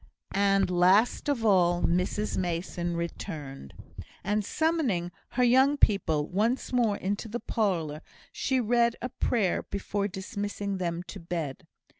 And last of all, Mrs Mason returned; and, summoning her "young people" once more into the parlour, she read a prayer before dismissing them to bed.